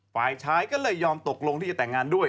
ฝ่ายชายก็เลยยอมตกลงที่จะแต่งงานด้วย